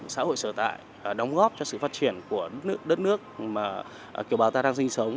xã hội sở tại đóng góp cho sự phát triển của đất nước mà kiều bào ta đang sinh sống